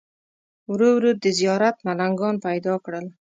ورو ورو دې زیارت ملنګان پیدا کړل.